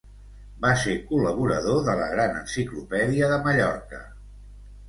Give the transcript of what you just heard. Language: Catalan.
Va ser col·laborador de la Gran Enciclopèdia de Mallorca.